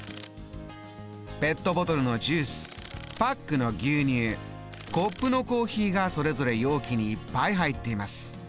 ペットボトルのジュースパックの牛乳コップのコーヒーがそれぞれ容器にいっぱい入っています。